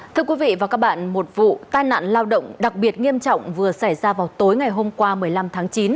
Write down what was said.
thưa quý vị và các bạn một vụ tai nạn lao động đặc biệt nghiêm trọng vừa xảy ra vào tối ngày hôm qua một mươi năm tháng chín